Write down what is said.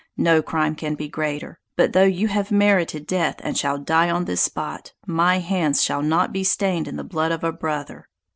No crime can be greater! But though you have merited death and shall die on this spot, my hands shall not be stained in the blood of a brother!